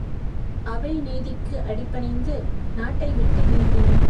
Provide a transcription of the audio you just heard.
அவை நீதிக்கு அடிபணிந்து நாட்டை விட்டு நீங்கின.